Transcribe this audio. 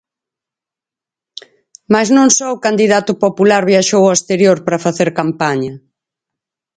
Mais non só o candidato popular viaxou ao exterior para facer campaña.